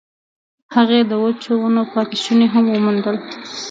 هغې د وچو ونو پاتې شوني هم وموندل.